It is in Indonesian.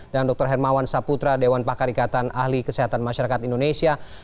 dan dr hermawan saputra dewan pakar ikatan ahli kesehatan masyarakat indonesia